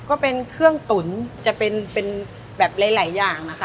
ก็เป็นเครื่องตุ๋นจะเป็นแบบหลายอย่างนะคะ